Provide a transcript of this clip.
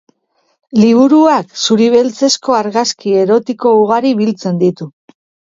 Liburuak zuri-beltzezko argazki erotiko ugari biltzen ditu.